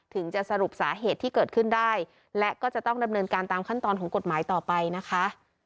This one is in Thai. จะสรุปสาเหตุที่เกิดขึ้นได้และก็จะต้องดำเนินการตามขั้นตอนของกฎหมายต่อไปนะคะ